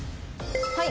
はい。